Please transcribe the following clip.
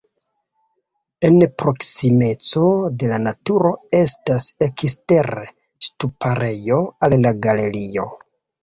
En proksimeco de la turo estas ekstere ŝtuparejo al la galerio.